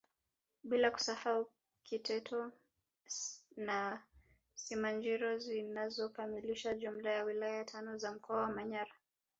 Bila kusahau Kiteto na Simanjiro zinazokamilisha jumla ya wilaya tano za mkoa wa Manyara